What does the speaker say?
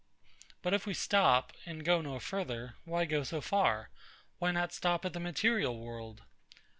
But if we stop, and go no further; why go so far? why not stop at the material world?